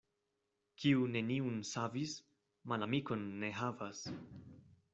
Kiu neniun savis, malamikon ne havas.